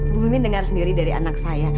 bu mimin dengar sendiri dari anak saya